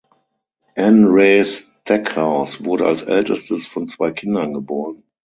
Ann Rae Stackhouse wurde als älteres von zwei Kindern geboren.